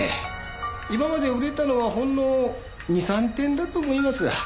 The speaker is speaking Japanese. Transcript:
今まで売れたのはほんの２３点だと思いますが。